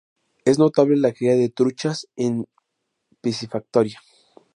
Es notable la cría de truchas en piscifactoría.